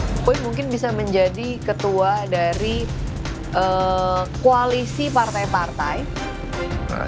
jokowi bisa menjadi ketua dari koalisi partai partai